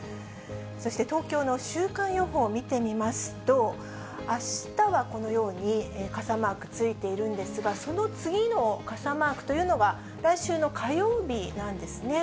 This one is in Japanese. そして、東京の週間予報を見てみますと、あしたはこのように傘マークついているんですが、その次の傘マークというのが、来週の火曜日なんですね。